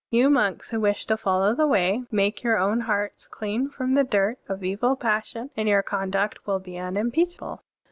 You monks, who wish to follow the Way, make your own hearts clean from the dirt of evil passion, and your conduct will be unim peachable."